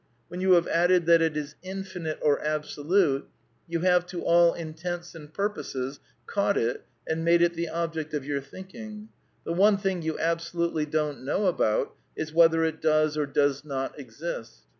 When you have added that it is Infinite or Absolute, you have to all intents y and purposes caught it and madeVthe object of your think.>^ ing. The one thing you absolutely don't know about it is whether it does or does not exist.